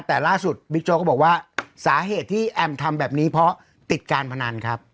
แต่ล่าสุดบิ๊กโจ๊กก็บอกว่าสาเหตุที่แอมทำแบบนี้เพราะติดการพนันครับ